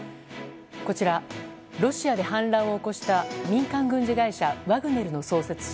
こちら、ロシアで反乱を起こした民間軍事会社ワグネルの創設者